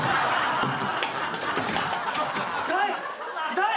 痛い。